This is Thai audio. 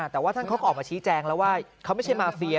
แต่ว่าท่านเขาก็ออกมาชี้แจงแล้วว่าเขาไม่ใช่มาเฟีย